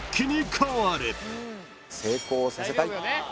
成功させたい。